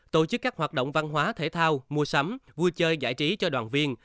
tổ chức các hoạt động văn hóa thể thao mua sắm vui chơi giải trí cho đoàn viên